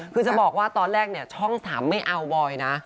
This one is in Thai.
คือจะบอกว่าตอนแรกเนี่ยช่อง๓ไม่เอาบอยนะ